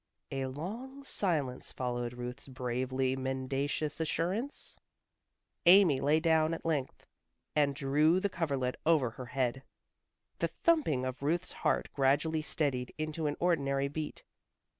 A long silence followed Ruth's bravely mendacious assurance. Amy lay down at length and drew the coverlet over her head. The thumping of Ruth's heart gradually steadied into an ordinary beat.